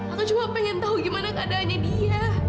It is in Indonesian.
aku cuma pengen tahu gimana keadaannya dia